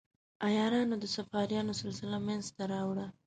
عیارانو د صفاریانو سلسله منځته راوړه.